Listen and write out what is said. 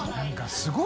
すごい。